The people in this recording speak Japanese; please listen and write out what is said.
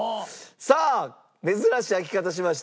さあ珍しい開き方しました。